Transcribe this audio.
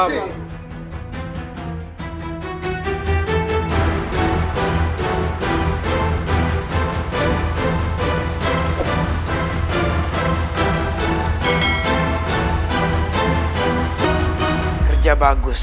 lihat mereka seperti ini